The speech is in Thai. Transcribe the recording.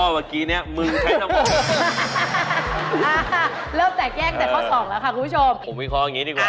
ไม่ใช้แต่เงิน